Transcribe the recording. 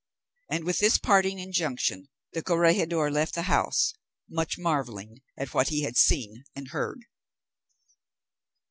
And with this parting injunction the corregidor left the house, much marvelling at what he had seen and heard.